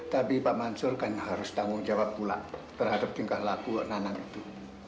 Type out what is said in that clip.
tapi pak mansur kan harus tanggung jawab pula terhadap tingkah laku nanan itu